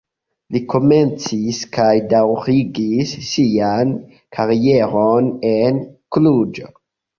Li komencis kaj daŭrigis sian karieron en Kluĵo.